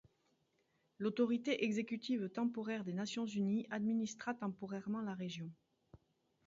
L'Autorité exécutive temporaire des Nations unies administra temporairement la région.